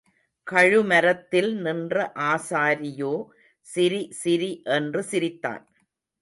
கழுமரத்தில் நின்ற ஆசாரியோ சிரி சிரி என்று சிரித்தான்.